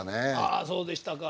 あそうでしたか。